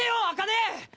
あかね！